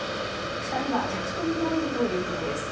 ２人は客とみられるということです。